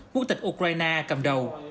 quốc tịch ukraine cầm đầu